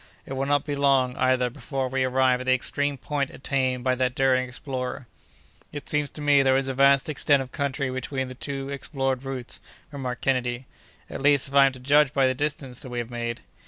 It will not be long, either, before we arrive at the extreme point attained by that daring explorer." "It seems to me that there is a vast extent of country between the two explored routes," remarked Kennedy; "at least, if I am to judge by the distance that we have made."